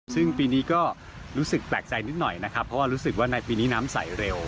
ซึ่งปีนี้ก็รู้สึกแปลกใจนิดหน่อยนะครับเพราะว่ารู้สึกว่าในปีนี้น้ำใสเร็ว